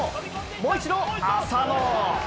もう一度、浅野！